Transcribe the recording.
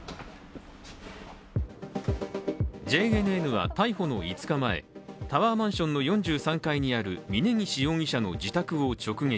ＪＮＮは、逮捕の５日前タワーマンションの４３階にある峯岸容疑者の自宅を直撃。